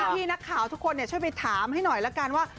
พี่นักข่าวทุกคนช่วยไปถามให้หน่อยละกันว่า